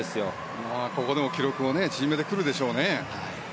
ここでも記録を縮めてくるでしょうね。